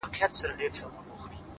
دعا ‘ دعا ‘ دعا ‘دعا كومه’